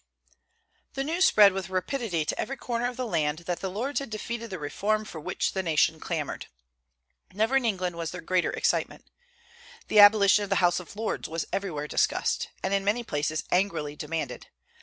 The news spread with rapidity to every corner of the land that the Lords had defeated the reform for which the nation clamored. Never in England was there greater excitement. The abolition of the House of Lords was everywhere discussed, and in many places angrily demanded.